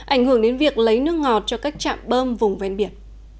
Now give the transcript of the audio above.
ảnh hưởng đến việc lấy nước ngọt cho các trạm bơm vùng ven biển